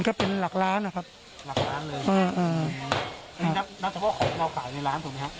ก็เป็นหลักล้านนะครับหลักล้านเลยนับนับเฉพาะของเราขายในร้านถูกไหมฮะ